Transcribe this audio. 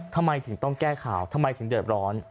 ทำไมถึงต้องแก้ข่าวทำไมถึงเดือดร้อน